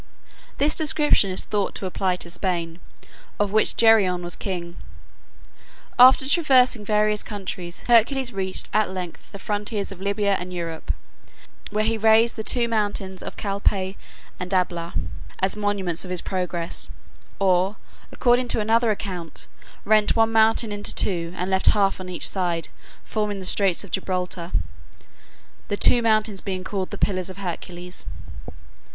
This description is thought to apply to Spain, of which Geryon was king. After traversing various countries, Hercules reached at length the frontiers of Libya and Europe, where he raised the two mountains of Calpe and Abyla, as monuments of his progress, or, according to another account, rent one mountain into two and left half on each side, forming the straits of Gibraltar, the two mountains being called the Pillars of Hercules.